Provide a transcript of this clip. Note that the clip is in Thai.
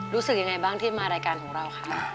รู้สึกยังไงบ้างที่มารายการของเราค่ะ